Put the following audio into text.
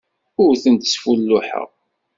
Ur tent-sfulluḥeɣ.